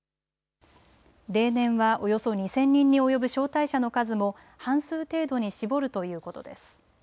例年はおよそ２０００人に及ぶ招待者の数も半数程度に絞るということです。